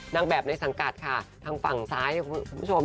นางแบบในสังกัดค่ะทางฝั่งซ้ายคุณผู้ชม